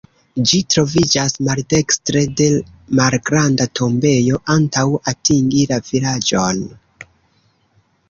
Ĝi troviĝas maldekstre de malgranda tombejo antaŭ atingi la vilaĝon.